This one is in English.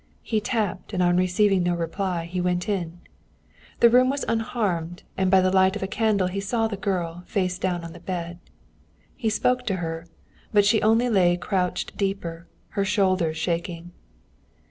He tapped, and on receiving no reply he went in. The room was unharmed, and by the light of a candle he saw the girl, face down on the bed. He spoke to her, but she only lay crouched deeper, her shoulders shaking.